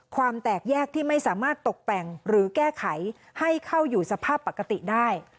ความแตกแยกที่ไม่สามารถตกแต่งหรือแก้ไขให้เข้าอยู่สภาพปกติได้